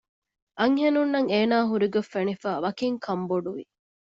އަންހެނުންނަށް އޭނާ ހުރިގޮތް ފެނިފައި ވަކިން ކަންބޮޑުވި